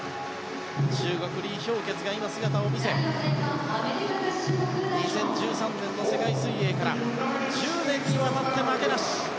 中国、リ・ヒョウケツが今、姿を見せ２０１３年の世界水泳から１０年にわたって負けなし。